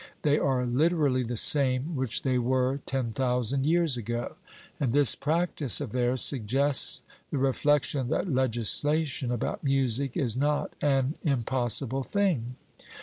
They are literally the same which they were ten thousand years ago. And this practice of theirs suggests the reflection that legislation about music is not an impossible thing.